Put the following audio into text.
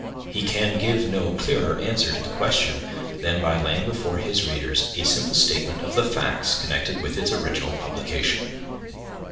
He can give no clearer answer to the question than by laying before his readers a simple statement of the facts connected with its original publication.